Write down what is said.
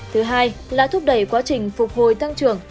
thứ hai là thúc đẩy quá trình phục hồi tăng trưởng